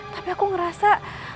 tapi aku ngerasa